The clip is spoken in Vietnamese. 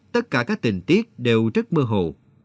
tất cả các tình tiết đều rất mơ hồ